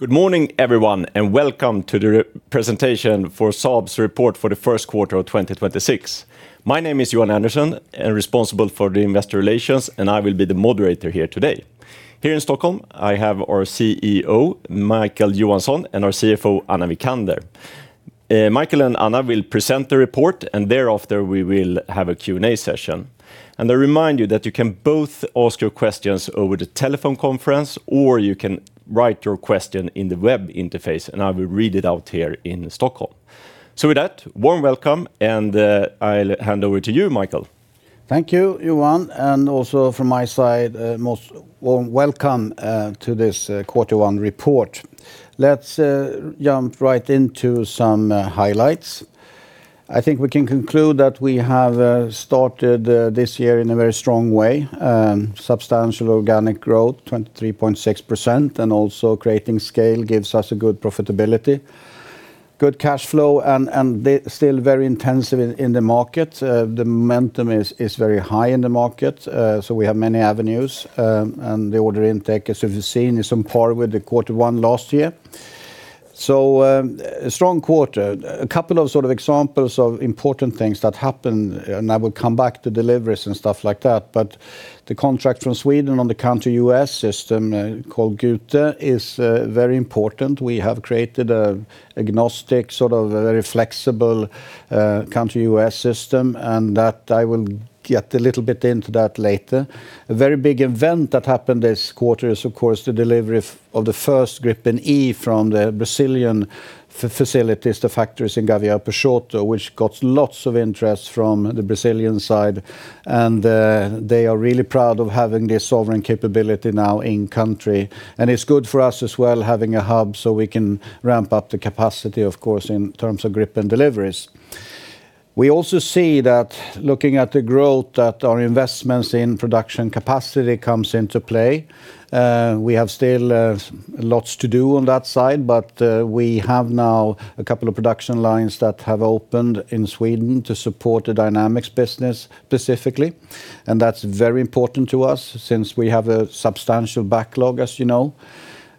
Good morning, everyone, and welcome to the presentation for Saab's report for the first quarter of 2026. My name is Johan Andersson, and I am responsible for the investor relations, and I will be the moderator here today. Here in Stockholm, I have our CEO, Micael Johansson, and our CFO, Anna Wijkander. Micael and Anna will present the report, and thereafter, we will have a Q&A session. I remind you that you can both ask your questions over the telephone conference, or you can write your question in the web interface, and I will read it out here in Stockholm. With that, warm welcome, and I'll hand over to you, Micael. Thank you, Johan. Also from my side, most warm welcome to this quarter one report. Let's jump right into some highlights. I think we can conclude that we have started this year in a very strong way. Substantial organic growth, 23.6%, and also creating scale gives us a good profitability. Good cash flow and still very intensive in the market. The momentum is very high in the market, so we have many avenues. The order intake, as you've seen, is on par with the quarter one last year. A strong quarter. A couple of examples of important things that happened, and I will come back to deliveries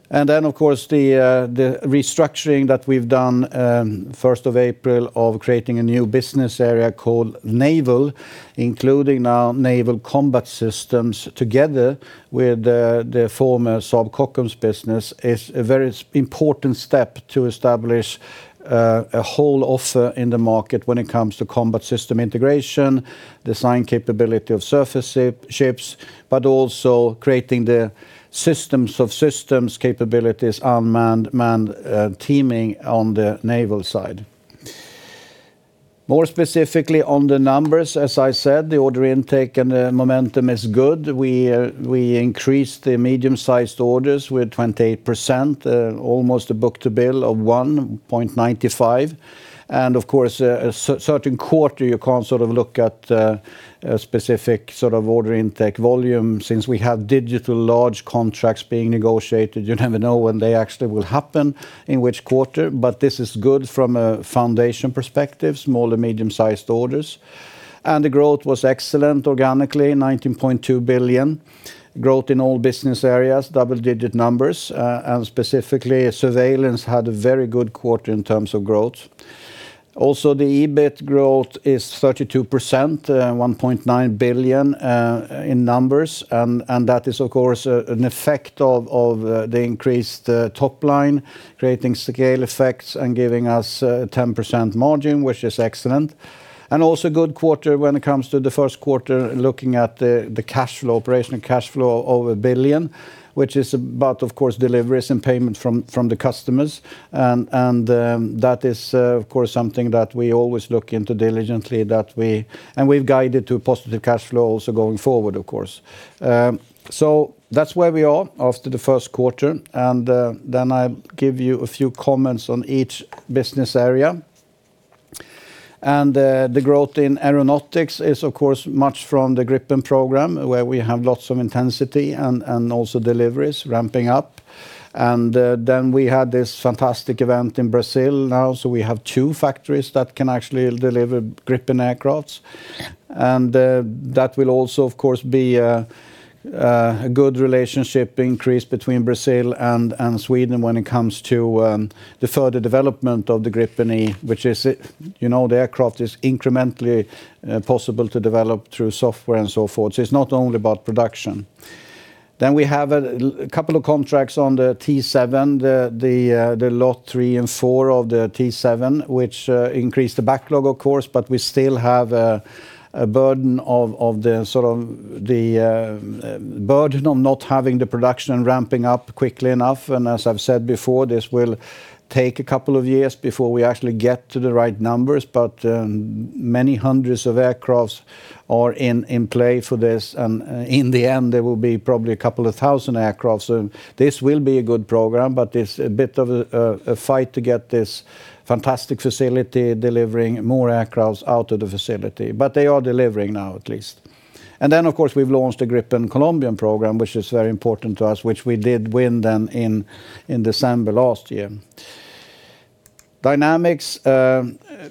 as you know. Of course, the restructuring that we've done, April 1st, of creating a new business area called Naval, including now Naval Combat Systems together with the former Saab Kockums business, is a very important step to establish a whole offer in the market when it comes to combat system integration, design capability of surface ships, but also creating the systems of systems capabilities, unmanned, manned, teaming on the naval side. More specifically on the numbers, as I said, the order intake and the momentum is good. We increased the medium-sized orders with 28%, almost a book-to-bill of 1.95. Of course, in a certain quarter, you can't look at specific order intake volume. Since we have several large contracts being negotiated, you never know when they actually will happen, in which quarter. This is good from a foundation perspective, small and medium-sized orders. The growth was excellent organically, 19.2 billion. Growth in all business areas, double-digit numbers. Specifically, Surveillance had a very good quarter in terms of growth. Also, the EBIT growth is 32%, 1.9 billion in numbers. That is, of course, an effect of the increased top line, creating scale effects and giving us 10% margin, which is excellent. Also a good quarter when it comes to the first quarter, looking at the cash flow, operational cash flow over 1 billion, which is about, of course, deliveries and payment from the customers. That is, of course, something that we always look into diligently, that we've guided to positive cash flow also going forward, of course. That's where we are after the first quarter. I give you a few comments on each business area. The growth in aeronautics is, of course, much from the Gripen program, where we have lots of intensity and also deliveries ramping up. We had this fantastic event in Brazil now. We have two factories that can actually deliver Gripen aircraft. That will also, of course, be a good relationship increase between Brazil and Sweden when it comes to the further development of the Gripen E, which is the aircraft is incrementally possible to develop through software and so forth. It's not only about production. We have a couple of contracts on the T-7, the Lot 3 and Lot 4 of the T-7, which increase the backlog, of course, but we still have a burden of not having the production ramping up quickly enough. As I've said before, this will take a couple of years before we actually get to the right numbers, but many hundreds of aircraft are in play for this. In the end, there will be probably a couple of thousand aircraft. This will be a good program, but it's a bit of a fight to get this fantastic facility delivering more aircraft out of the facility. They are delivering now, at least. Then, of course, we've launched a Gripen Colombian program, which is very important to us, which we did win then in December last year. Dynamics.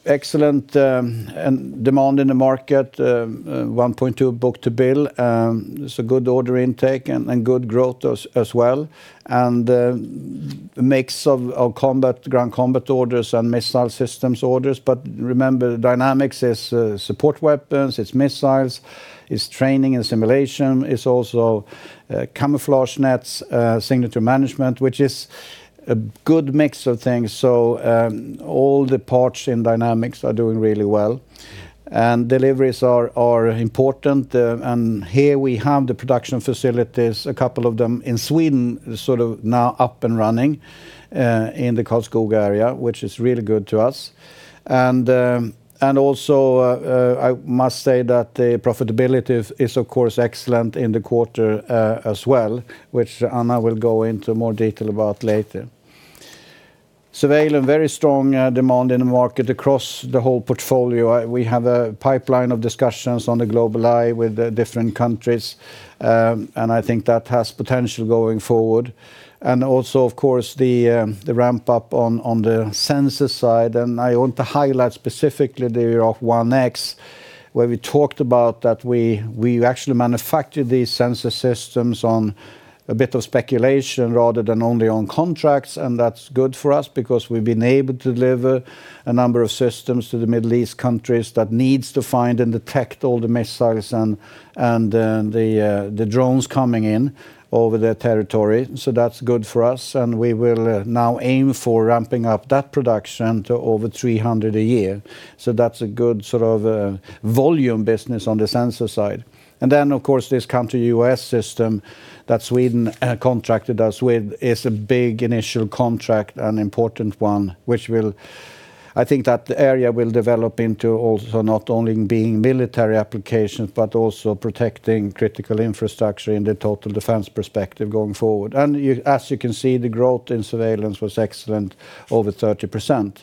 Excellent demand in the market, 1.2 book-to-bill. There's a good order intake and good growth as well. The mix of ground combat orders and missile systems orders. Remember, Dynamics is support weapons, it's missiles, it's training and simulation, it's also camouflage nets, signature management, which is a good mix of things. All the parts in Dynamics are doing really well. Deliveries are important. Here we have the production facilities, a couple of them in Sweden now up and running, in the Karlskoga area, which is really good to us. I must say that the profitability is of course excellent in the quarter as well, which Anna will go into more detail about later. Surveillance, very strong demand in the market across the whole portfolio. We have a pipeline of discussions on the GlobalEye with the different countries. I think that has potential going forward. Also, of course, the ramp up on the sensor side, and I want to highlight specifically the Giraffe 1X, where we talked about that we actually manufactured these sensor systems on a bit of speculation rather than only on contracts, and that's good for us, because we've been able to deliver a number of systems to the Middle East countries that needs to find and detect all the missiles and the drones coming in over their territory. That's good for us, and we will now aim for ramping up that production to over 300 a year. That's a good volume business on the sensor side. Then, of course, this counter-UAS system that Sweden contracted us with is a big initial contract, an important one. I think that area will develop into also not only being military applications, but also protecting critical infrastructure in the total defense perspective going forward. As you can see, the growth in Surveillance was excellent, over 30%.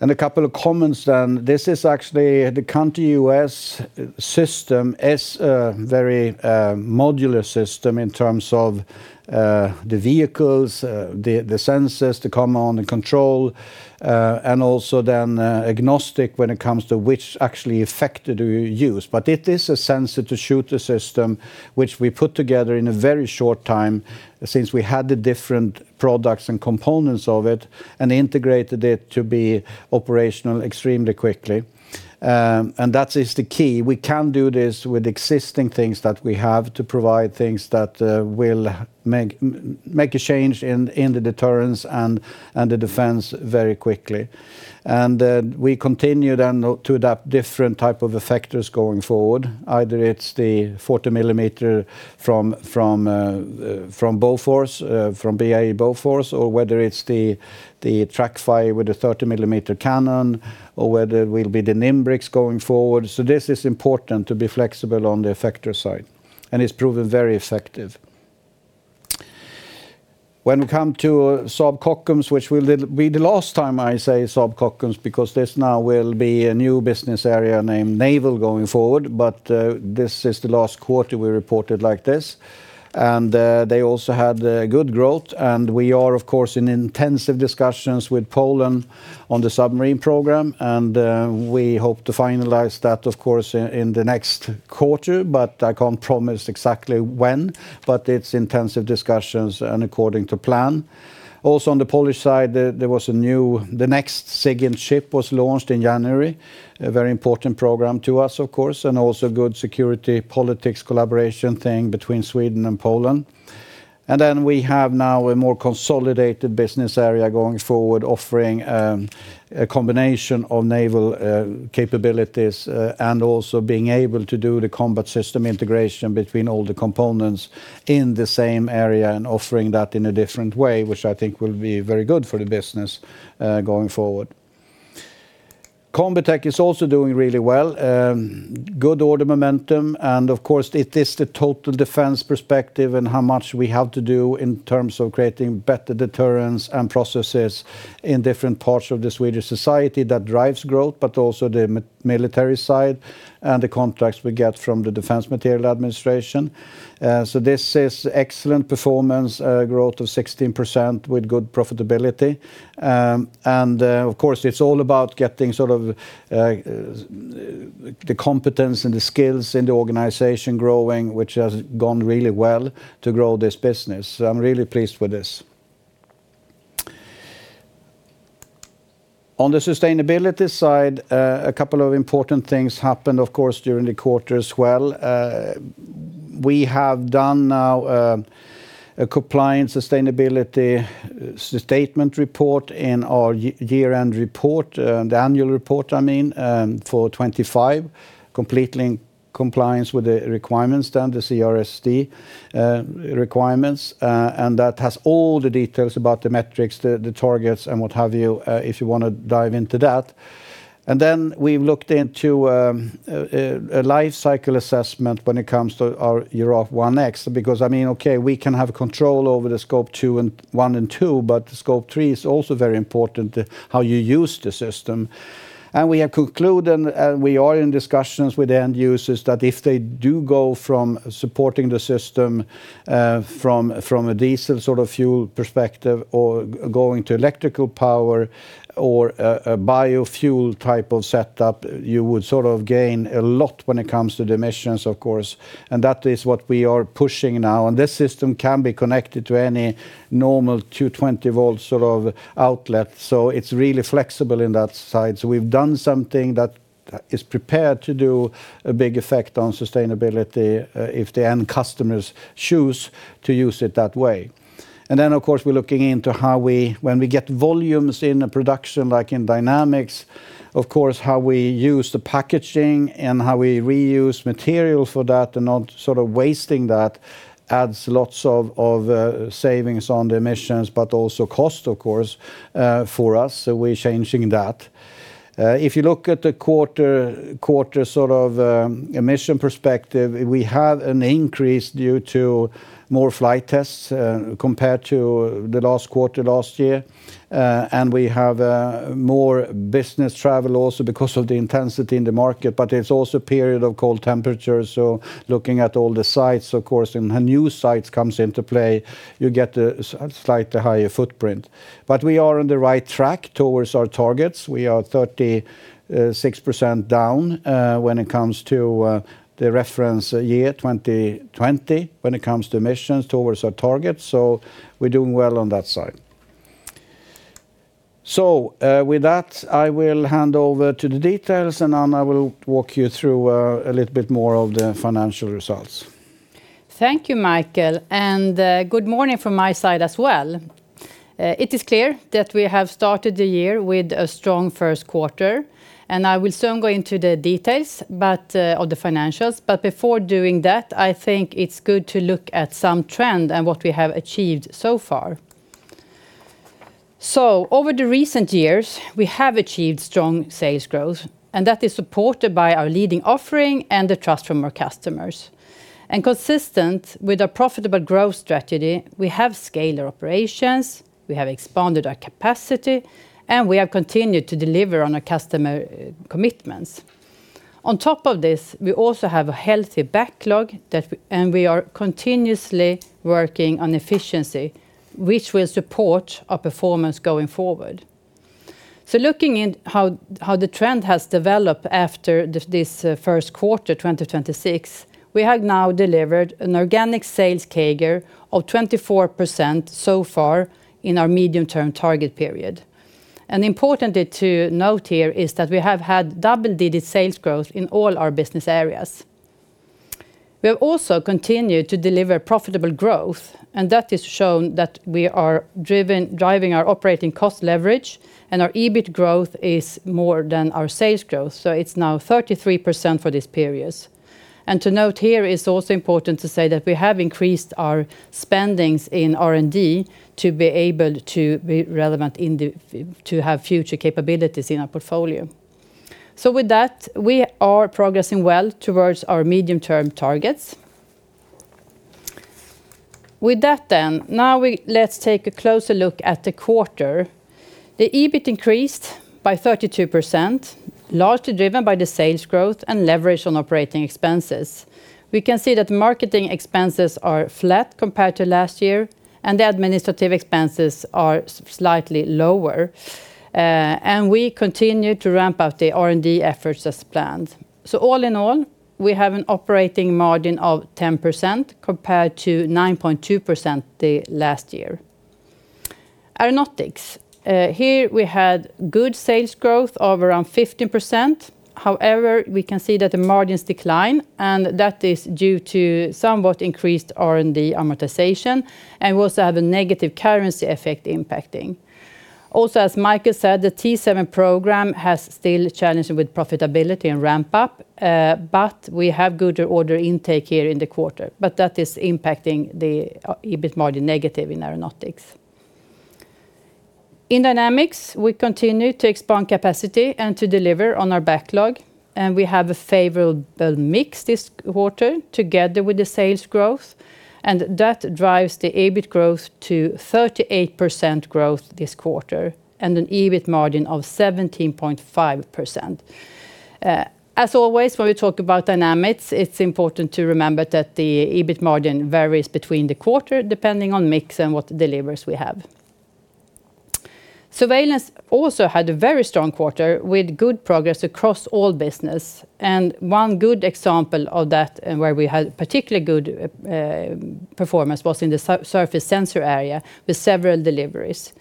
A couple of comments then. The counter-UAS system is a very modular system in terms of the vehicles, the sensors, the command and control, and also then agnostic when it comes to which actually effector do you use. It is a sensor to shooter system, which we put together in a very short time since we had the different products and components of it and integrated it to be operational extremely quickly. That is the key. We can do this with existing things that we have to provide things that will make a change in the deterrence and the defense very quickly. We continue then to adapt different type of effectors going forward. Either it's the 40 mm from Bofors, from BAE Bofors or whether it's the Trackfire with the 30 mm cannon or whether it will be the Nimbrix going forward. This is important to be flexible on the effector side, and it's proven very effective. When we come to Saab Kockums, which will be the last time I say Saab Kockums, because this now will be a new business area named Naval going forward. This is the last quarter we reported like this. They also had good growth and we are of course, in intensive discussions with Poland on the submarine program, and we hope to finalize that, of course, in the next quarter, but I can't promise exactly when. It's intensive discussions and according to plan. Also on the Polish side, the next Sigyn ship was launched in January, a very important program to us, of course, and also good security politics collaboration thing between Sweden and Poland. Then we have now a more consolidated business area going forward, offering a combination of naval capabilities, and also being able to do the combat system integration between all the components in the same area and offering that in a different way, which I think will be very good for the business, going forward. Combitech is also doing really well. Good order momentum, and of course, it is the total defense perspective and how much we have to do in terms of creating better deterrence and processes in different parts of the Swedish society that drives growth, but also the military side and the contracts we get from the Defence Materiel Administration. This is excellent performance, growth of 16% with good profitability. Of course, it's all about getting the competence and the skills in the organization growing, which has gone really well to grow this business. I'm really pleased with this. On the sustainability side, a couple of important things happened, of course, during the quarter as well. We have done now a compliance sustainability statement report in our year-end report, the annual report, I mean, for 2025. Completely in compliance with the requirements then, the CSRD requirements. That has all the details about the metrics, the targets, and what have you, if you want to dive into that. Then we've looked into a life cycle assessment when it comes to our Giraffe 1X, because okay, we can have control over the Scope 1 and 2, but Scope 3 is also very important, how you use the system. We have concluded, and we are in discussions with end users, that if they do go from supporting the system from a diesel sort of fuel perspective or going to electrical power or a biofuel type of setup, you would gain a lot when it comes to the emissions, of course. That is what we are pushing now. This system can be connected to any normal 220 volt outlet. It's really flexible in that side. We've done something that is prepared to do a big effect on sustainability if the end customers choose to use it that way. Of course, we're looking into when we get volumes in a production, like in Dynamics, of course, how we use the packaging and how we reuse material for that and not wasting that adds lots of savings on the emissions, but also cost, of course, for us. We're changing that. If you look at the quarter sort of emission perspective, we have an increase due to more flight tests compared to the last quarter last year. We have more business travel also because of the intensity in the market, but it's also a period of cold temperatures. Looking at all the sites, of course, and a new site comes into play, you get a slightly higher footprint. We are on the right track towards our targets. We are 36% down, when it comes to the reference year 2020, when it comes to emissions towards our targets. We're doing well on that side. With that, I will hand over to the details, and Anna will walk you through a little bit more of the financial results. Thank you, Micael, and good morning from my side as well. It is clear that we have started the year with a strong first quarter, and I will soon go into the details of the financials. Before doing that, I think it's good to look at some trend and what we have achieved so far. Over the recent years, we have achieved strong sales growth, and that is supported by our leading offering and the trust from our customers. Consistent with a profitable growth strategy, we have scaled our operations, we have expanded our capacity, and we have continued to deliver on our customer commitments. On top of this, we also have a healthy backlog, and we are continuously working on efficiency, which will support our performance going forward. Looking at how the trend has developed after this first quarter, 2026, we have now delivered an organic sales CAGR of 24% so far in our medium-term target period. Importantly to note here is that we have had double-digit sales growth in all our business areas. We have also continued to deliver profitable growth, and that has shown that we are driving our operating cost leverage, and our EBIT growth is more than our sales growth. It's now 33% for these periods. To note here, it's also important to say that we have increased our spendings in R&D to be able to be relevant to have future capabilities in our portfolio. With that, we are progressing well towards our medium-term targets. With that then, now let's take a closer look at the quarter. The EBIT increased by 32%, largely driven by the sales growth and leverage on operating expenses. We can see that marketing expenses are flat compared to last year, and the administrative expenses are slightly lower. We continue to ramp up the R&D efforts as planned. All in all, we have an operating margin of 10% compared to 9.2% last year. Aeronautics. Here we had good sales growth of around 15%. However, we can see that the margins decline, and that is due to somewhat increased R&D amortization, and we also have a negative currency effect impacting. Also, as Micael said, the T-7 program has still challenges with profitability and ramp up, but we have good order intake here in the quarter. That is impacting the EBIT margin negative in Aeronautics. In Dynamics, we continue to expand capacity and to deliver on our backlog. We have a favorable mix this quarter together with the sales growth. That drives the EBIT growth to 38% growth this quarter and an EBIT margin of 17.5%. As always, when we talk about Dynamics, it's important to remember that the EBIT margin varies between the quarter, depending on mix and what deliveries we have. Surveillance also had a very strong quarter with good progress across all business. One good example of that, and where we had particularly good performance, was in the surface sensor area with several deliveries.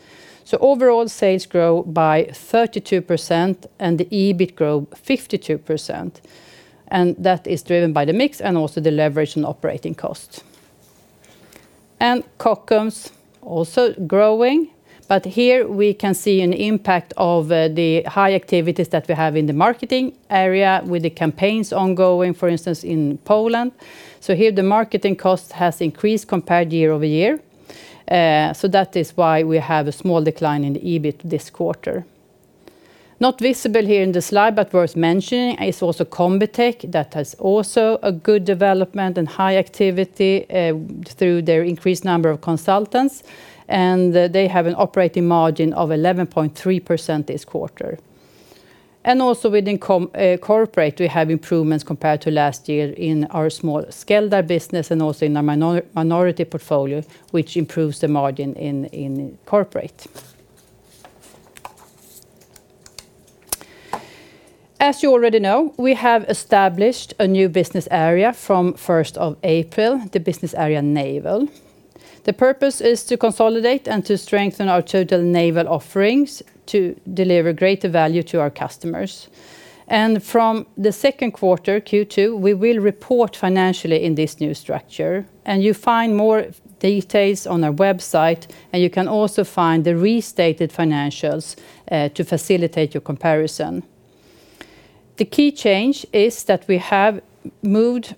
Overall sales grow by 32% and the EBIT grow 52%, and that is driven by the mix and also the leverage in operating costs. Kockums also growing, but here we can see an impact of the high activities that we have in the marketing area with the campaigns ongoing, for instance, in Poland. Here the marketing cost has increased compared year-over-year. That is why we have a small decline in the EBIT this quarter. Not visible here in the slide, but worth mentioning, is also Combitech, that has also a good development and high activity through their increased number of consultants. They have an operating margin of 11.3% this quarter. Also within corporate, we have improvements compared to last year in our small Skeldar business and also in our minority portfolio, which improves the margin in corporate. As you already know, we have established a new business area from April 1st, the business area Naval. The purpose is to consolidate and to strengthen our total naval offerings to deliver greater value to our customers. From the second quarter, Q2, we will report financially in this new structure and you find more details on our website, and you can also find the restated financials to facilitate your comparison. The key change is that we have moved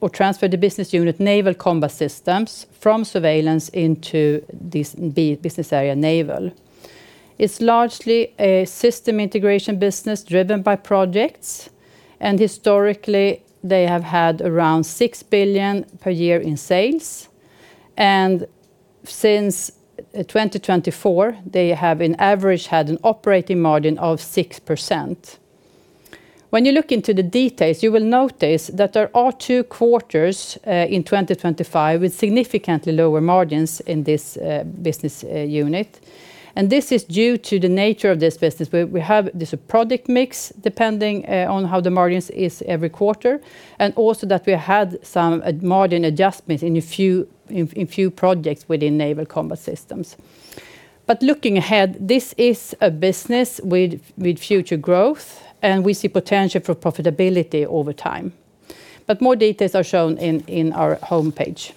or transferred the business unit, Naval Combat Systems, from Surveillance into this business area Naval. It's largely a system integration business driven by projects, and historically they have had around 6 billion per year in sales. Since 2024, they have, on average, had an operating margin of 6%. When you look into the details, you will notice that there are two quarters in 2025 with significantly lower margins in this business unit. This is due to the nature of this business, where we have this project mix depending on how the margins is every quarter, and also that we had some margin adjustments in a few projects within Naval Combat Systems. Looking ahead, this is a business with future growth, and we see potential for profitability over time. More details are shown in our homepage.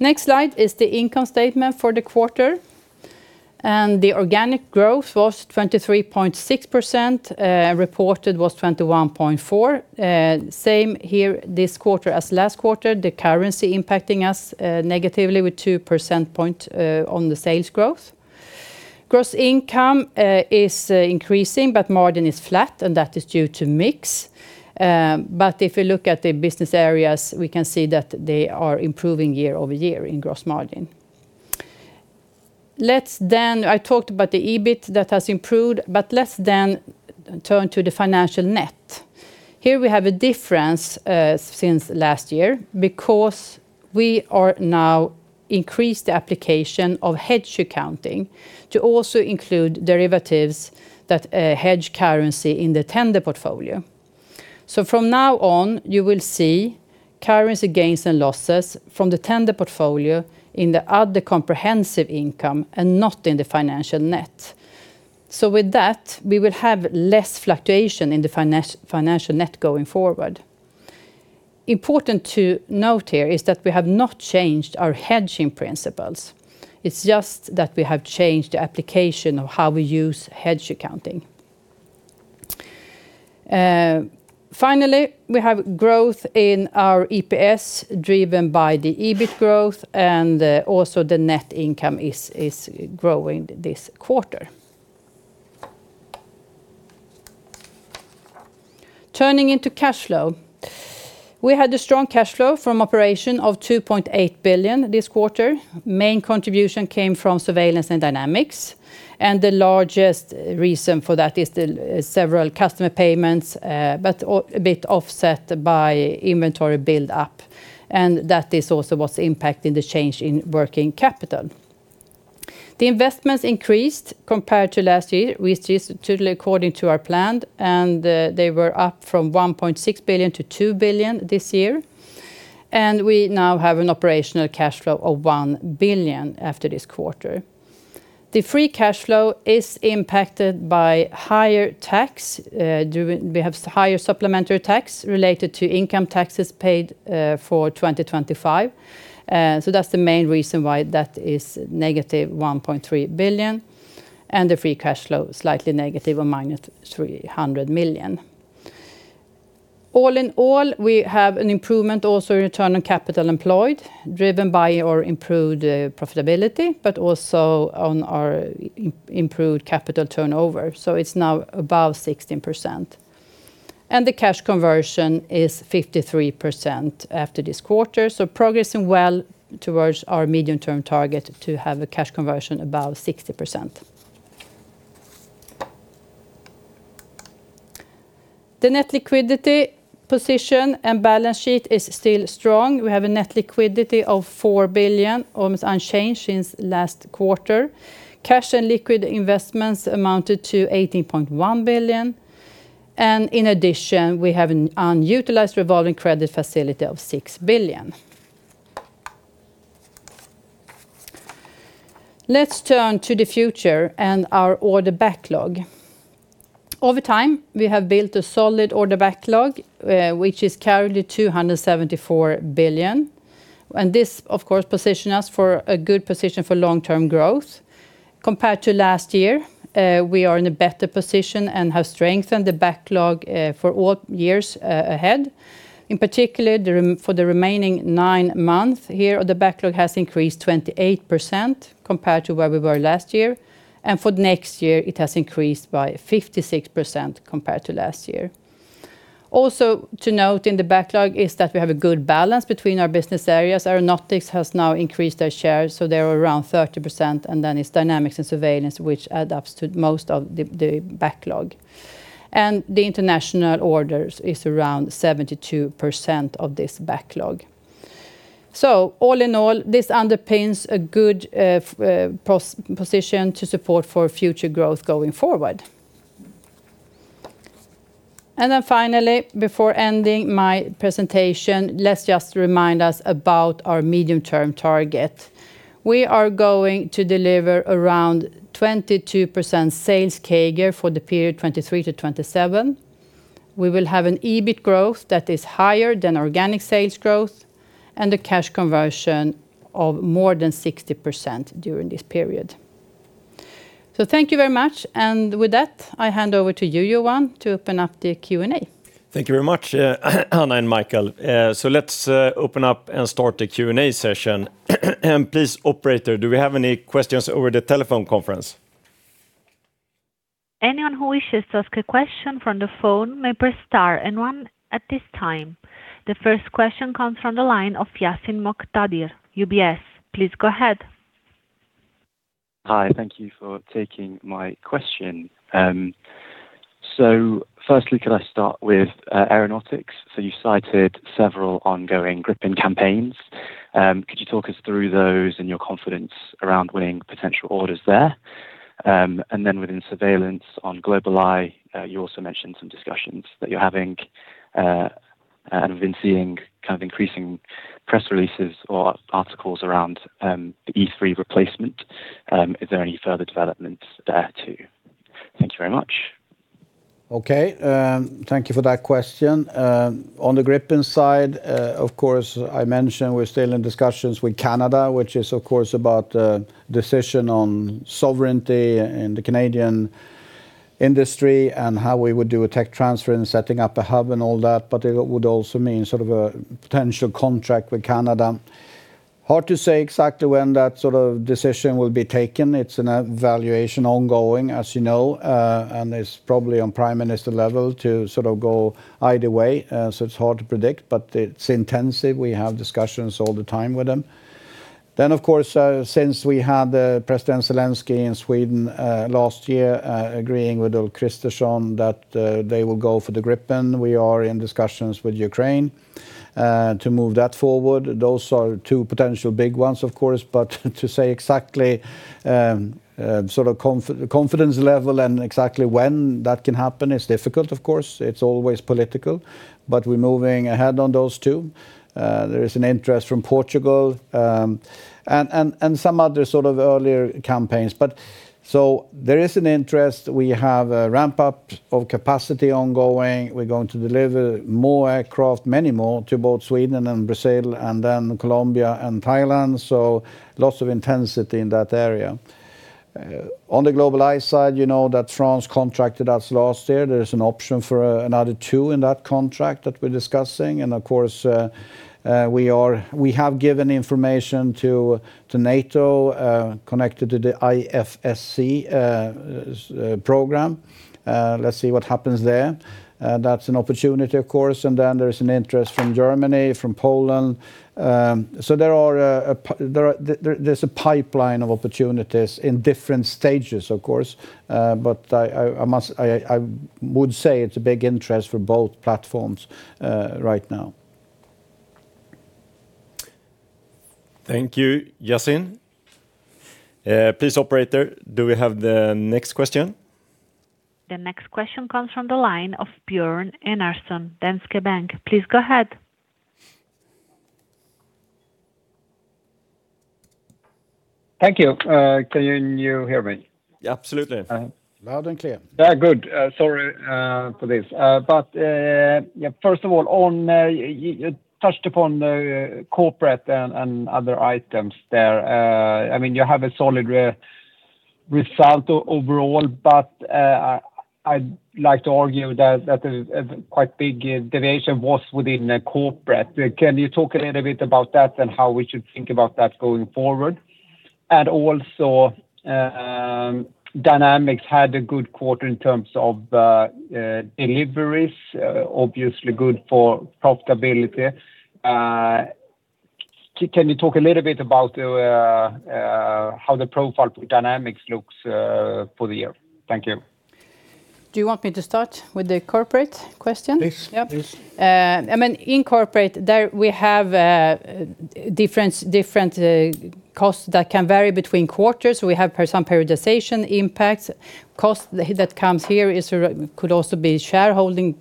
Next slide is the income statement for the quarter. The organic growth was 23.6%, reported was 21.4%. Same here this quarter as last quarter, the currency impacting us negatively with 2 percentage points on the sales growth. Gross income is increasing, but margin is flat, and that is due to mix. If you look at the business areas, we can see that they are improving year-over-year in gross margin. I talked about the EBIT that has improved, but let's then turn to the financial net. Here we have a difference since last year because we are now increasing the application of hedge accounting to also include derivatives that hedge currency in the tender portfolio. From now on, you will see currency gains and losses from the tender portfolio in the other comprehensive income and not in the financial net. With that, we will have less fluctuation in the financial net going forward. Important to note here is that we have not changed our hedging principles. It's just that we have changed the application of how we use hedge accounting. Finally, we have growth in our EPS driven by the EBIT growth, and also the net income is growing this quarter. Turning to cash flow. We had a strong cash flow from operation of 2.8 billion this quarter. Main contribution came from Surveillance The cash conversion is 53% after this quarter. Progressing well towards our medium-term target to have a cash conversion above 60%. The net liquidity position and balance sheet is still strong. We have a net liquidity of 4 billion, almost unchanged since last quarter. Cash and liquid investments amounted to 18.1 billion, and in addition, we have an unutilized revolving credit facility of 6 billion. Let's turn to the future and our order backlog. Over time, we have built a solid order backlog, which is currently 274 billion. This, of course, position us for a good position for long-term growth. Compared to last year, we are in a better position and have strengthened the backlog for all years ahead. In particular, for the remaining nine months here, the backlog has increased 28% compared to where we were last year. For next year, it has increased by 56% compared to last year. Also, to note in the backlog is that we have a good balance between our business areas. Aeronautics has now increased their shares, so they are around 30%, and then it's Dynamics and Surveillance, which adds up to most of the backlog. The international orders is around 72% of this backlog. All in all, this underpins a good position to support for future growth going forward. Then finally, before ending my presentation, let's just remind us about our medium-term target. We are going to deliver around 22% sales CAGR for the period 2023 to 2027. We will have an EBIT growth that is higher than organic sales growth and a cash conversion of more than 60% during this period. Thank you very much. With that, I hand over to you, Johan, to open up the Q&A. Thank you very much, Anna and Micael. Let's open up and start the Q&A session. Please, operator, do we have any questions over the telephone conference? Anyone who wishes to ask a question from the phone may press star and one at this time. The first question comes from the line of Yassin Moktadir, UBS. Please go ahead. Hi. Thank you for taking my question. Firstly, could I start with Aeronautics? You cited several ongoing Gripen campaigns. Could you talk us through those and your confidence around winning potential orders there? Then within Surveillance on GlobalEye, you also mentioned some discussions that you're having, and we've been seeing increasing press releases or articles around the E-3 replacement. Is there any further developments there, too? Thank you very much. Okay. Thank you for that question. On the Gripen side, of course, I mentioned we're still in discussions with Canada, which is, of course, about decision on sovereignty and the Canadian industry and how we would do a tech transfer and setting up a hub and all that. It would also mean a potential contract with Canada. Hard to say exactly when that sort of decision will be taken. It's an evaluation ongoing, as you know, and it's probably on prime minister level to go either way. It's hard to predict, but it's intensive. We have discussions all the time with them. Of course, since we had President Zelensky in Sweden, last year, agreeing with Ulf Kristersson that they will go for the Gripen. We are in discussions with Ukraine to move that forward. Those are two potential big ones, of course. To say exactly confidence level and exactly when that can happen is difficult, of course. It's always political, but we're moving ahead on those two. There is an interest from Portugal, and some other sort of earlier campaigns. There is an interest. We have a ramp-up of capacity ongoing. We're going to deliver more aircraft, many more, to both Sweden and Brazil and then Colombia and Thailand. Lots of intensity in that area. On the GlobalEye side, you know that France contracted us last year. There is an option for another two in that contract that we're discussing. Of course, we have given information to NATO, connected to the AFSC program. Let's see what happens there. That's an opportunity, of course. There is an interest from Germany, from Poland. There's a pipeline of opportunities in different stages, of course. I would say it's a big interest for both platforms, right now. Thank you, Yassin. Please, operator, do we have the next question? The next question comes from the line of Björn Enarson, Danske Bank. Please go ahead. Thank you. Can you hear me? Yeah, absolutely. Loud and clear. Yeah, good. Sorry for this. First of all, you touched upon the corporate and other items there. You have a solid result overall, but I'd like to argue that a quite big deviation was within the corporate. Can you talk a little bit about that and how we should think about that going forward? Also, Dynamics had a good quarter in terms of deliveries, obviously good for profitability. Can you talk a little bit about how the profile for Dynamics looks, for the year? Thank you. Do you want me to start with the corporate question? Please. Yep. In corporate, we have different costs that can vary between quarters. We have some periodization impacts. Cost that comes here could also be shareholding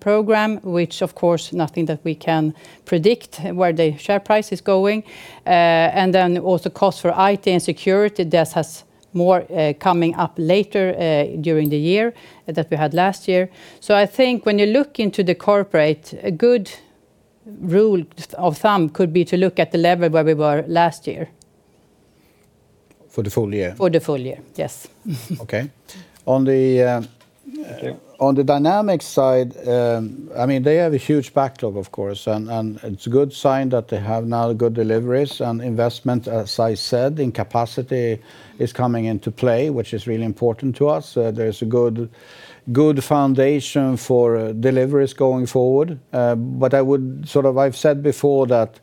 program, which of course nothing that we can predict where the share price is going. Cost for IT and security, this has more coming up later during the year that we had last year. I think when you look into the corporate, a good rule of thumb could be to look at the level where we were last year. For the full year? For the full year. Yes. Okay. On the Dynamics side, they have a huge backlog, of course. It's a good sign that they have now good deliveries and investment, as I said, in capacity is coming into play, which is really important to us. There's a good foundation for deliveries going forward. I've said before that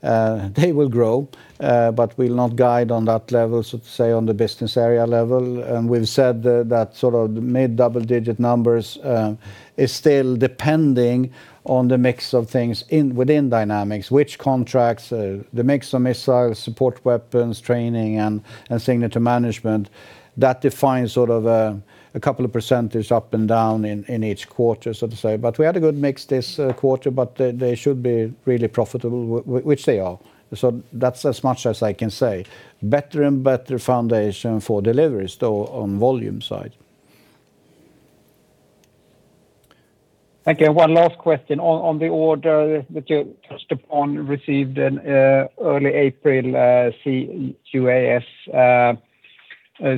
they will grow, but we'll not guide on that level, so to say, on the business area level, and we've said that mid-double digit numbers is still depending on the mix of things within Dynamics, which contracts, the mix of missiles, support weapons, training, and signal to management. That defines a couple of percentage up and down in each quarter, so to say. We had a good mix this quarter, but they should be really profitable, which they are. That's as much as I can say. Better and better foundation for deliveries though, on volume side. Thank you. One last question. On the order that you touched upon received in early April, C-UAS.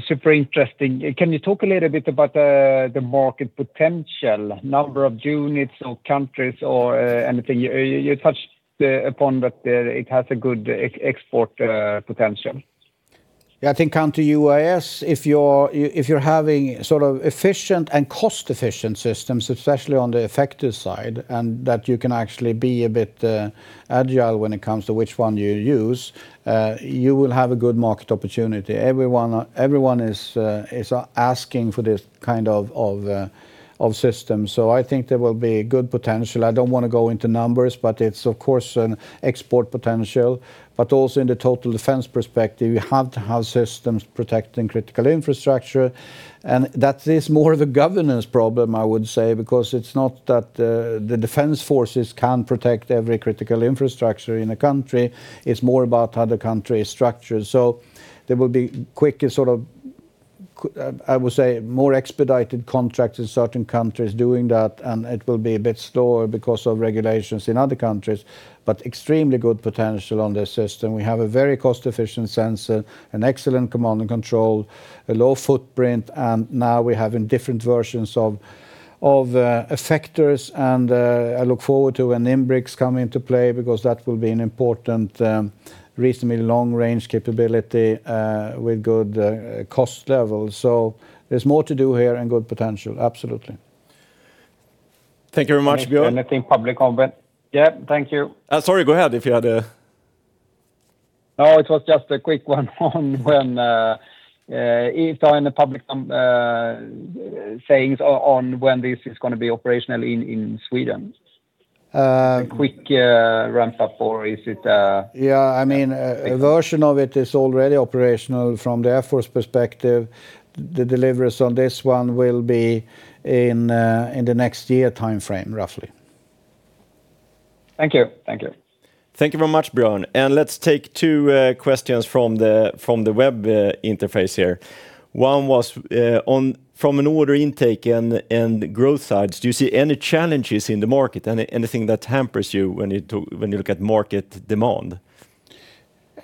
Super interesting. Can you talk a little bit about the market potential, number of units or countries or anything? You touched upon that it has a good export potential. Yeah. I think counter-UAS, if you're having efficient and cost-efficient systems, especially on the effective side, and that you can actually be a bit agile when it comes to which one you use, you will have a good market opportunity. Everyone is asking for this kind of system. I think there will be good potential. I don't want to go into numbers, but it's of course an export potential, but also in the total defense perspective, you have to have systems protecting critical infrastructure. That is more of a governance problem, I would say, because it's not that the defense forces can't protect every critical infrastructure in a country, it's more about how the country is structured. There will be quickish, I would say, more expedited contracts in certain countries doing that, and it will be a bit slower because of regulations in other countries, but extremely good potential on their system. We have a very cost-efficient sensor, an excellent command and control, a low footprint, and now we have in different versions of effectors and I look forward to when Nimbrix come into play because that will be an important, reasonably long range capability, with good cost levels. There's more to do here and good potential, absolutely. Thank you very much, Björn. Anything public on web? Yeah. Thank you. Sorry. Go ahead, if you had a. No, it was just a quick one on when, if on the public statements on when this is going to be operational in Sweden. Uh- Quick ramp up or is it? Yeah, a version of it is already operational from the Air Force perspective. The deliveries on this one will be in the next year timeframe, roughly. Thank you. Thank you very much, Björn. Let's take two questions from the web interface here. One was, from an order intake and growth side, do you see any challenges in the market? Anything that hampers you when you look at market demand?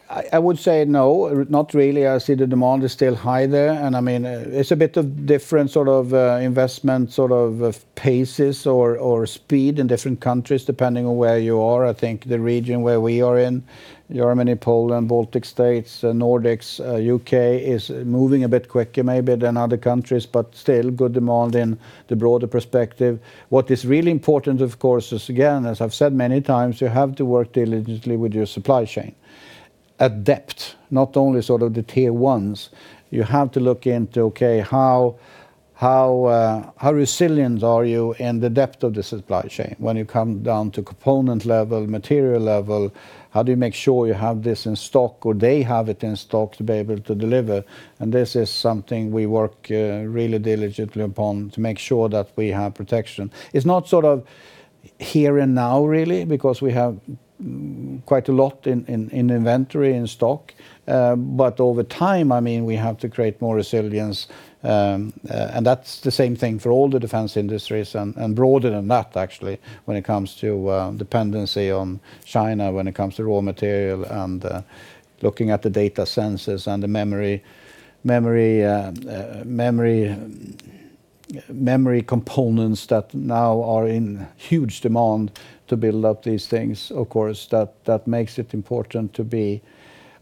I would say no, not really. I see the demand is still high there, and it's a bit of different investment paces or speed in different countries depending on where you are. I think the region where we are in, Germany, Poland, Baltic states, Nordics, U.K., is moving a bit quicker maybe than other countries, but still good demand in the broader perspective. What is really important, of course, is again, as I've said many times, you have to work diligently with your supply chain. At depth, not only the tier ones. You have to look into, okay, how resilient are you in the depth of the supply chain? When you come down to component level, material level, how do you make sure you have this in stock or they have it in stock to be able to deliver? This is something we work really diligently upon to make sure that we have protection. It's not here and now really because we have quite a lot in inventory, in stock. Over time, we have to create more resilience. That's the same thing for all the defense industries and broader than that actually, when it comes to dependency on China, when it comes to raw material and looking at the data sensors and the memory components that now are in huge demand to build up these things, of course, that makes it important to be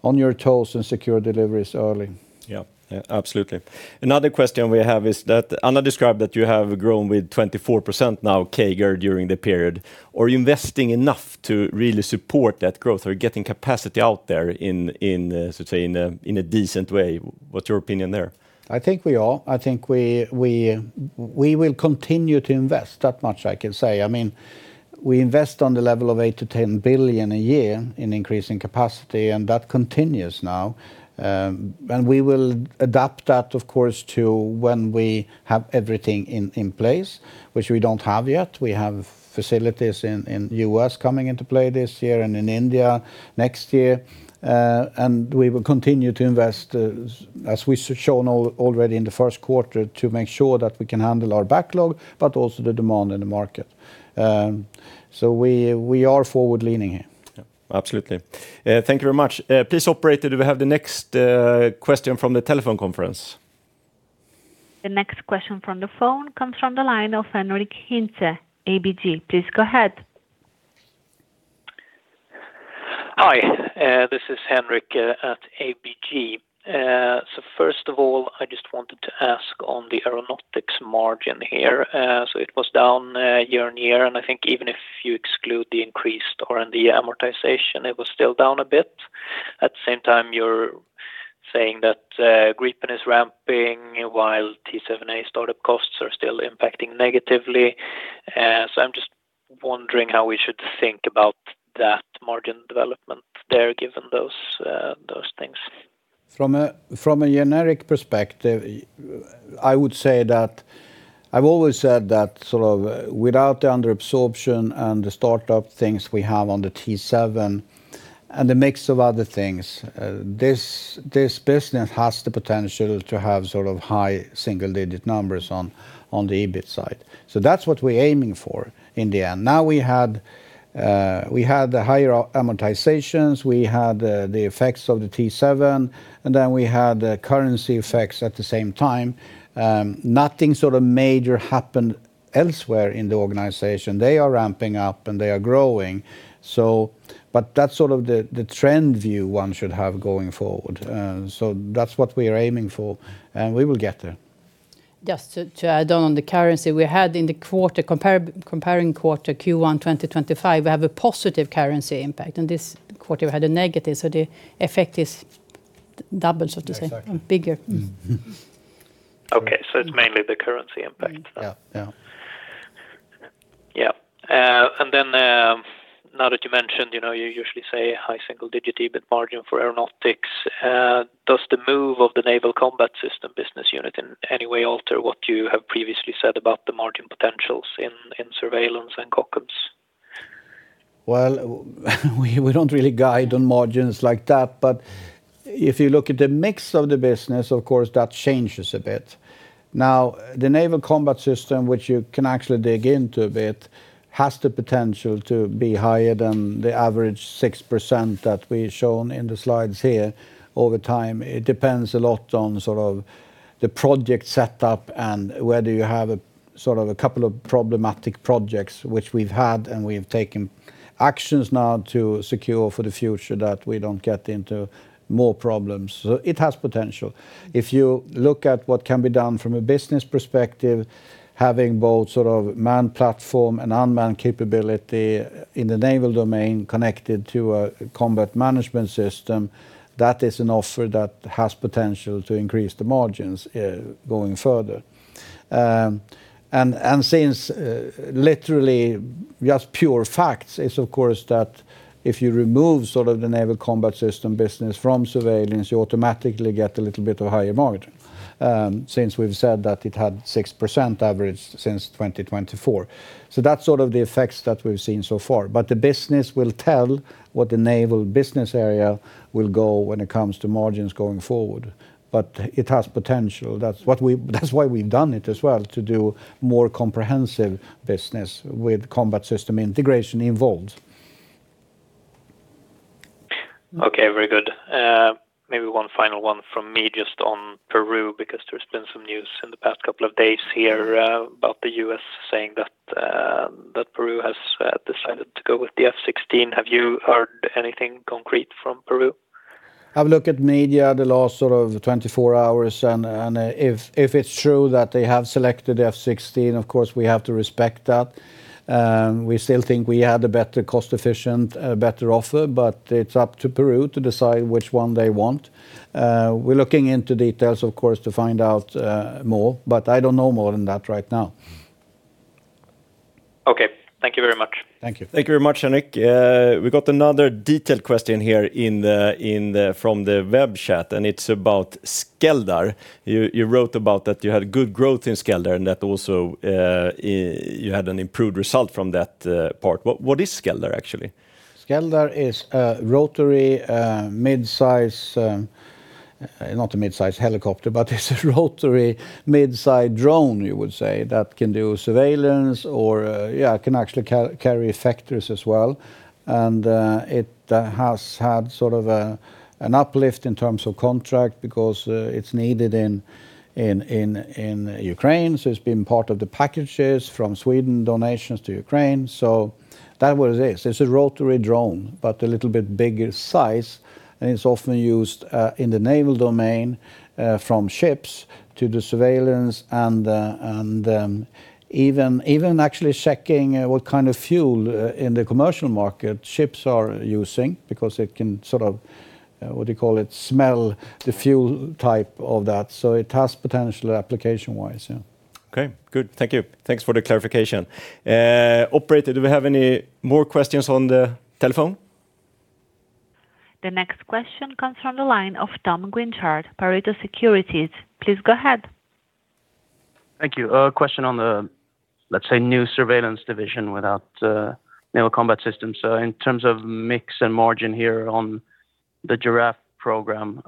on your toes and secure deliveries early. Yeah. Absolutely. Another question we have is that Anna described that you have grown with 24% now, CAGR during the period. Are you investing enough to really support that growth or getting capacity out there in a decent way? What's your opinion there? I think we are. I think we will continue to invest, that much I can say. We invest on the level of $8 billion-$10 billion a year in increasing capacity, and that continues now. We will adapt that of course, to when we have everything in place, which we don't have yet. We have facilities in U.S. coming into play this year and in India next year. We will continue to invest, as we've shown already in the first quarter, to make sure that we can handle our backlog, but also the demand in the market. We are forward leaning here. Yeah. Absolutely. Thank you very much. Please, operator, do we have the next question from the telephone conference? The next question from the phone comes from the line of Henric Hintze, ABG. Please go ahead. Hi. This is Henric at ABG. First of all, I just wanted to ask on the Aeronautics margin here. It was down year on year, and I think even if you exclude the increased R&D amortization, it was still down a bit. At the same time, you're saying that Gripen is ramping while T-7A startup costs are still impacting negatively. I'm just wondering how we should think about that margin development there, given those things. From a generic perspective, I would say that I've always said that sort of without the under absorption and the startup things we have on the T-7 and the mix of other things, this business has the potential to have sort of high single-digit numbers on the EBIT side. That's what we're aiming for in the end. Now we had the higher amortizations, we had the effects of the T-7, and then we had the currency effects at the same time. Nothing sort of major happened elsewhere in the organization. They are ramping up and they are growing. That's sort of the trend view one should have going forward. That's what we are aiming for, and we will get there. Just to add on the currency we had in the quarter, comparing quarter Q1 2025, we have a positive currency impact, and this quarter we had a negative, so the effect is double, so to say. Exactly. Bigger. Mm-hmm. Okay. It's mainly the currency impact. Yeah. Yeah. Now that you mentioned, you usually say high single-digit EBIT margin for Aeronautics. Does the move of the Naval Combat Systems business unit in any way alter what you have previously said about the margin potentials in Surveillance and Kockums? Well, we don't really guide on margins like that, but if you look at the mix of the business, of course, that changes a bit. Now, the Naval Combat Systems, which you can actually dig into a bit, has the potential to be higher than the average 6% that we've shown in the slides here all the time. It depends a lot on sort of the project set up and whether you have a couple of problematic projects, which we've had, and we've taken actions now to secure for the future that we don't get into more problems. It has potential. If you look at what can be done from a business perspective, having both sort of manned platform and unmanned capability in the naval domain connected to a combat management system, that is an offer that has potential to increase the margins, going further. Since literally just pure facts is, of course, that if you remove sort of the Naval Combat Systems business from Surveillance, you automatically get a little bit of higher margin, since we've said that it had 6% average since 2024. That's sort of the effects that we've seen so far. The business will tell what the Naval business area will go when it comes to margins going forward. It has potential. That's why we've done it as well, to do more comprehensive business with combat system integration involved. Okay. Very good. Maybe one final one from me just on Peru, because there's been some news in the past couple of days here about the U.S. saying that Peru has decided to go with the F-16. Have you heard anything concrete from Peru? I've looked at media the last sort of 24 hours, and if it's true that they have selected F-16, of course, we have to respect that. We still think we had a better cost-efficient, better offer. It's up to Peru to decide which one they want. We're looking into details, of course, to find out more, but I don't know more than that right now. Okay. Thank you very much. Thank you. Thank you very much, Henric. We got another detailed question here from the web chat, and it's about Skeldar. You wrote about that you had good growth in Skeldar, and that also you had an improved result from that part. What is Skeldar actually? Skeldar is a rotary mid-size. Not a mid-size helicopter, but it's a rotary mid-size drone you would say, that can do surveillance or, yeah, it can actually carry effectors as well. It has had sort of an uplift in terms of contract because it's needed in Ukraine. That's what it is, it's a rotary drone, but a little bit bigger size. It's often used in the naval domain from ships to do surveillance and even actually checking what kind of fuel in the commercial market ships are using because it can sort of, what do you call it, smell the fuel type of that. It has potential application wise, yeah. Okay. Good. Thank you. Thanks for the clarification. Operator, do we have any more questions on the telephone? The next question comes from the line of Tom Guinchard, Pareto Securities. Please go ahead. Thank you. A question on the, let's say, new Surveillance division without Naval Combat Systems. In terms of mix and margin here on the Giraffe program,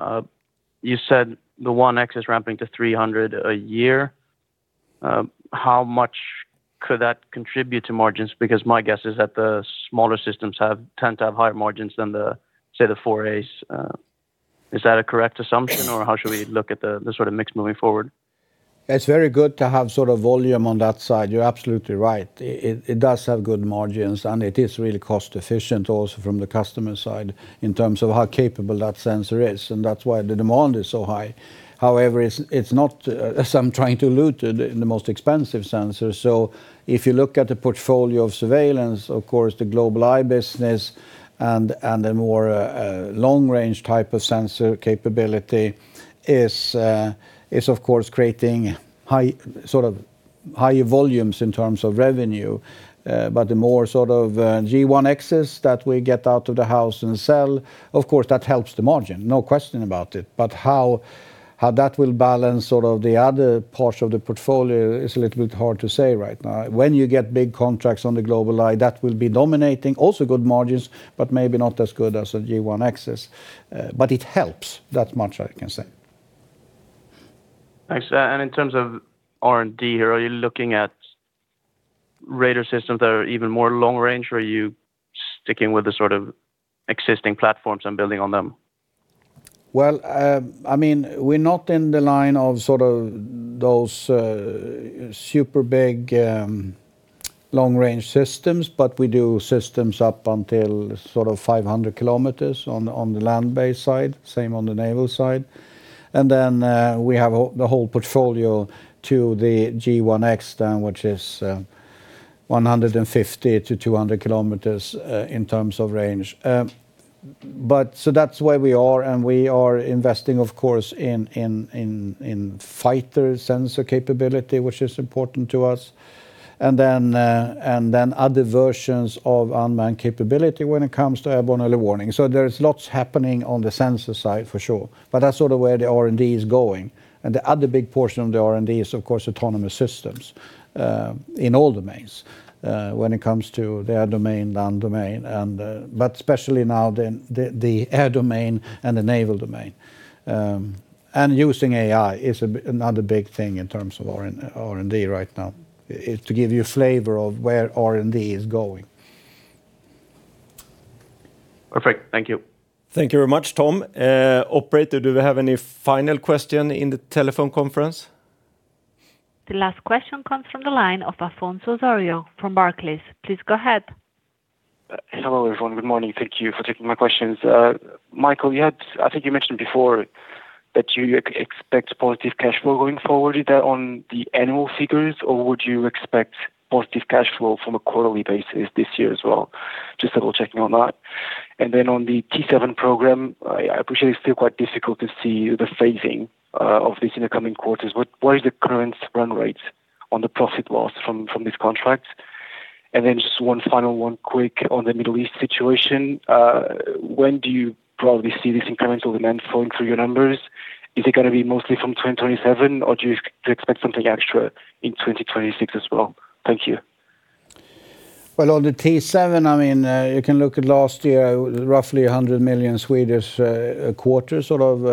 you said the 1X is ramping to 300 a year. How much could that contribute to margins? Because my guess is that the smaller systems tend to have higher margins than the 4As. Is that a correct assumption, or how should we look at the sort of mix moving forward? It's very good to have volume on that side. You're absolutely right. It does have good margins, and it is really cost efficient also from the customer side in terms of how capable that sensor is, and that's why the demand is so high. However, it's not as if I'm trying to tout the most expensive sensor. If you look at the portfolio of Surveillance, of course, the GlobalEye business and the more long-range type of sensor capability is of course creating higher volumes in terms of revenue. The more Giraffe 1Xs that we get out of the house and sell, of course, that helps the margin. No question about it. How that will balance the other parts of the portfolio is a little bit hard to say right now. When you get big contracts on the GlobalEye, that will be dominating, also good margins, but maybe not as good as a G1Xs. It helps, that much I can say. Thanks. In terms of R&D, are you looking at radar systems that are even more long range, or are you sticking with the sort of existing platforms and building on them? Well, we're not in the line of those super big long-range systems, but we do systems up until 500 km on the land-based side, same on the naval side. Then we have the whole portfolio to the G1X then, which is 150km-200 km in terms of range. That's where we are, and we are investing, of course, in fighter sensor capability, which is important to us. Then other versions of unmanned capability when it comes to airborne early warning. There is lots happening on the sensor side for sure, but that's sort of where the R&D is going. The other big portion of the R&D is, of course, autonomous systems, in all domains, when it comes to the air domain, land domain, but especially now the air domain and the naval domain. Using AI is another big thing in terms of R&D right now, to give you a flavor of where R&D is going. Perfect. Thank you. Thank you very much, Tom. Operator, do we have any final question in the telephone conference? The last question comes from the line of Afonso Osório from Barclays. Please go ahead. Hello, everyone. Good morning. Thank you for taking my questions. Micael, I think you mentioned before that you expect positive cash flow going forward. Is that on the annual figures, or would you expect positive cash flow from a quarterly basis this year as well? Just double-checking on that. On the T-7 program, I appreciate it's still quite difficult to see the phasing of this in the coming quarters, but what is the current run rate on the P&L from this contract? Just one final quick one on the Middle East situation. When do you probably see this incremental demand flowing through your numbers? Is it going to be mostly from 2027, or do you expect something extra in 2026 as well? Thank you. Well, on the T7, you can look at last year, roughly 100 million sort of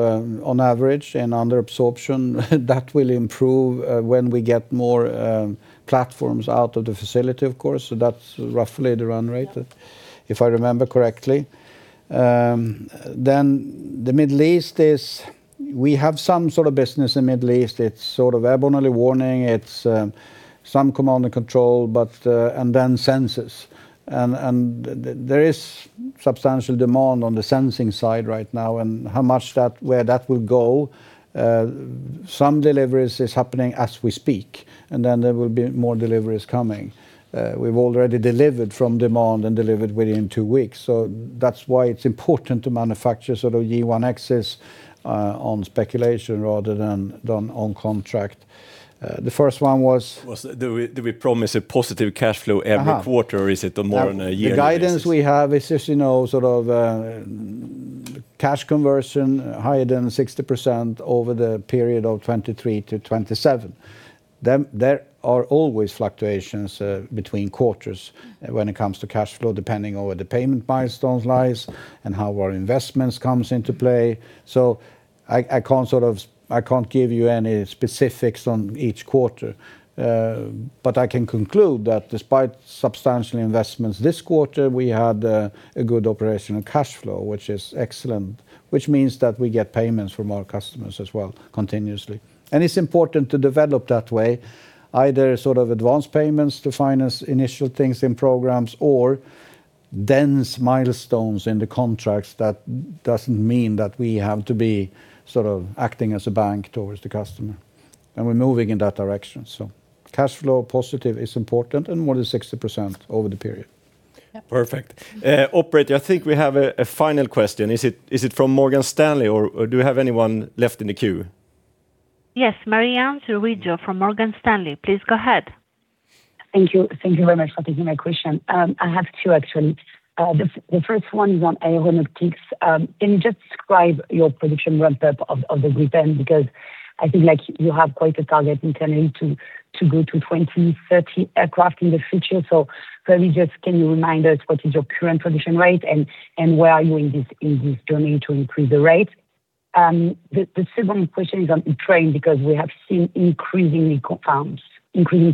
on average and under absorption. That will improve when we get more platforms out of the facility, of course. That's roughly the run rate, if I remember correctly. The Middle East is we have some sort of business in Middle East. It's sort of airborne early warning. It's some command and control, and then sensors. There is substantial demand on the sensing side right now, and how much that, where that will go. Some deliveries is happening as we speak, and then there will be more deliveries coming. We've already delivered from demand and delivered within two weeks, so that's why it's important to manufacture G1Xs on speculation rather than done on contract. The first one was- Was that we promise a positive cash flow every quarter, or is it more on a yearly- The guidance we have is just sort of cash conversion higher than 60% over the period of 2023 to 2027. There are always fluctuations between quarters when it comes to cash flow, depending on where the payment milestones lies and how our investments comes into play. I can't give you any specifics on each quarter. I can conclude that despite substantial investments this quarter, we had a good operational cash flow, which is excellent, which means that we get payments from our customers as well continuously. It's important to develop that way, either sort of advanced payments to finance initial things in programs or dense milestones in the contracts. That doesn't mean that we have to be sort of acting as a bank towards the customer, and we're moving in that direction. Cash flow positive is important and more than 60% over the period. Yep. Perfect. Operator, I think we have a final question. Is it from Morgan Stanley, or do we have anyone left in the queue? Yes. Marie-Ange Riggio from Morgan Stanley. Please go ahead. Thank you. Thank you very much for taking my question. I have two, actually. The first one is on Aeronautics. Can you just describe your production ramp-up of the Gripen? Because I think you have quite a target internally to go to 20-30 aircraft in the future. Maybe just can you remind us what is your current production rate and where are you in this journey to increase the rate? The second question is on Ukraine, because we have seen increasing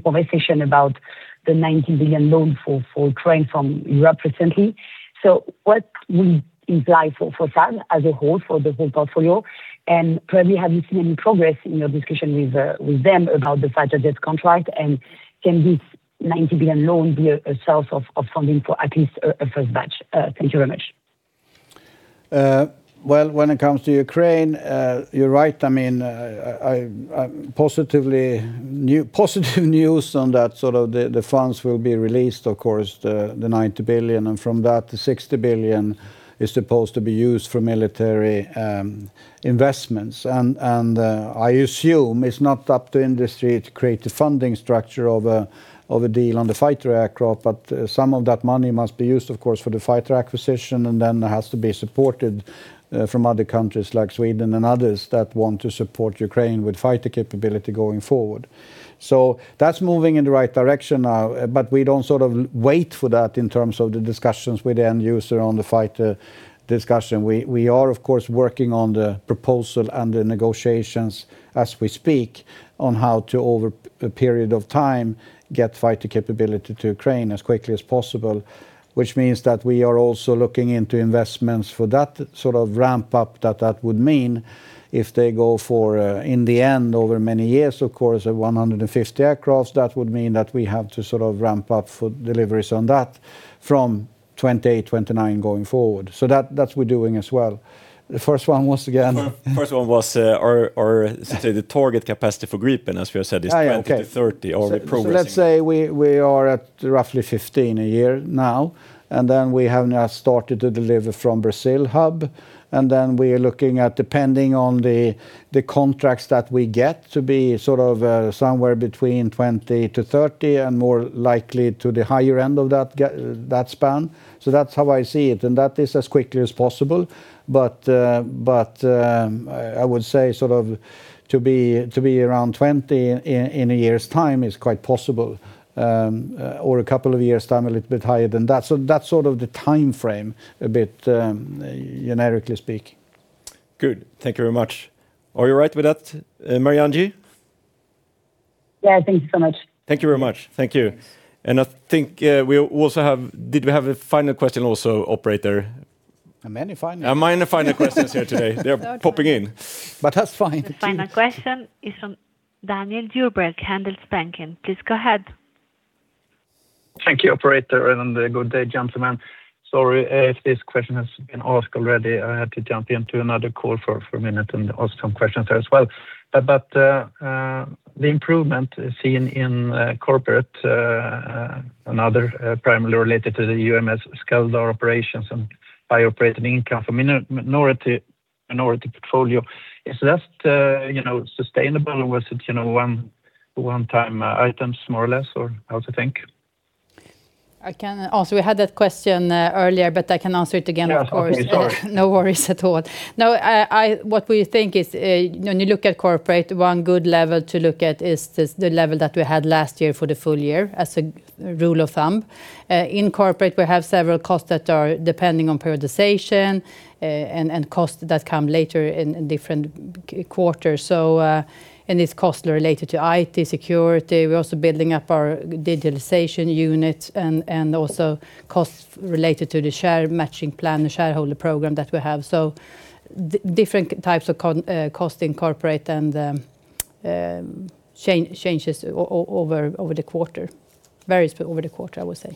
conversation about the 90 billion loan for Ukraine from Europe recently. What we imply for Saab as a whole, for the whole portfolio, and probably have you seen any progress in your discussion with them about the fighter jet contract and can this 90 billion loan be a source of funding for at least a first batch? Thank you very much. Well, when it comes to Ukraine, you're right. Positive news on that sort of the funds will be released, of course, the 90 billion, and from that, the 60 billion is supposed to be used for military investments. I assume it's not up to industry to create the funding structure of a deal on the fighter aircraft, but some of that money must be used, of course, for the fighter acquisition, and then has to be supported from other countries like Sweden and others that want to support Ukraine with fighter capability going forward. That's moving in the right direction now, but we don't sort of wait for that in terms of the discussions with the end user on the fighter discussion. We are, of course, working on the proposal and the negotiations as we speak on how to, over a period of time, get fighter capability to Ukraine as quickly as possible, which means that we are also looking into investments for that sort of ramp up that would mean if they go for, in the end, over many years, of course, 150 aircraft, that would mean that we have to sort of ramp up for deliveries on that from 2028, 2029 going forward. That we're doing as well. The first one once again. First one was our, say, the target capacity for Gripen, as we have said, is 20-30 or progressing- Let's say we are at roughly 15 a year now, and then we have now started to deliver from Brazil hub, and then we are looking at, depending on the contracts that we get, to be sort of somewhere between 20-30 and more likely to the higher end of that span. That's how I see it, and that is as quickly as possible. I would say to be around 20 in a year's time is quite possible, or a couple of years time, a little bit higher than that. That's sort of the timeframe a bit, generically speaking. Good. Thank you very much. Are you all right with that, Marie-Ange? Yeah. Thank you so much. Thank you very much. Thank you. Did we have a final question also, operator? How many final? How many final questions here today? They're popping in. That's fine. The final question is from Daniel Djurberg, Handelsbanken. Please go ahead. Thank you, operator, and good day, gentlemen. Sorry if this question has been asked already. I had to jump into another call for a minute and ask some questions there as well. The improvement seen in corporate and other, primarily related to the UMS Skeldar operations and the operating income from minority portfolio, is that sustainable or was it one-time items more or less, or how to think? I can answer. We had that question earlier, but I can answer it again, of course. Yeah. Okay. Sorry. No worries at all. No, what we think is when you look at corporate, one good level to look at is the level that we had last year for the full year as a rule of thumb. In corporate, we have several costs that are depending on periodization and costs that come later in different quarters. It's costs related to IT, security. We're also building up our digitalization units and also costs related to the share matching plan, the shareholder program that we have. Different types of costs in corporate and changes over the quarter. It varies over the quarter, I would say.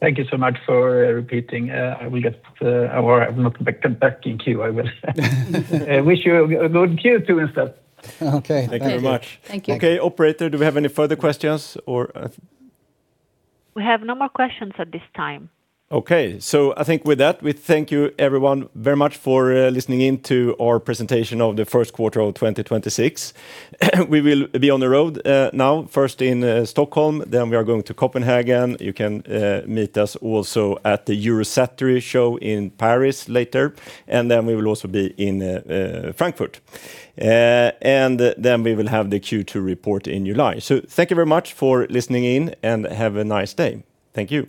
Thank you so much for repeating. I will get or I will not be cut back in queue, I will say. I wish you a good Q2 instead. Okay. Thank you very much. Thank you very much. Thank you. Okay, operator, do we have any further questions or? We have no more questions at this time. Okay. I think with that, we thank you everyone very much for listening in to our presentation of the first quarter of 2026. We will be on the road now, first in Stockholm, then we are going to Copenhagen. You can meet us also at the Eurosatory Show in Paris later, and then we will also be in Frankfurt. We will have the Q2 report in July. Thank you very much for listening in, and have a nice day. Thank you.